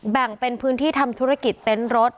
แบ่งเป็นพื้นที่ทำธุรกิจเต็นต์รถ